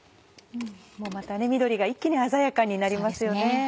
また緑が一気に鮮やかになりますよね。